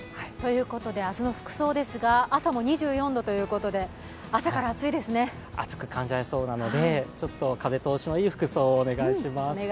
明日の服装ですが朝も２４度ということで暑く感じられそうなので、風通しのいい服装をお願いします。